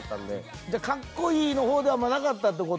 じゃあカッコイイの方ではなかったってこと？